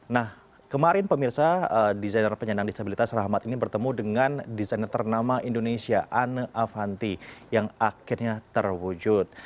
nah kemarin pemirsa desainer penyandang disabilitas rahmat ini bertemu dengan desainer ternama indonesia ane avanti yang akhirnya terwujud